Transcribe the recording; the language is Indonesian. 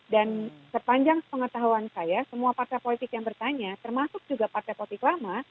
dan sepanjang pengetahuan saya semua partai politik yang bertanya termasuk juga partai politik lama